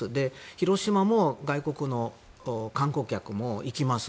広島も外国の観光客も行きます。